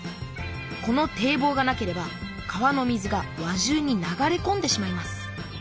この堤防がなければ川の水が輪中に流れこんでしまいます。